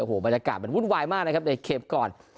โอ้โหบรรยากาศมันวุ่นวายมากนะครับในเคปก่อน